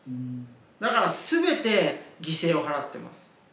だから全て犠牲を払ってます。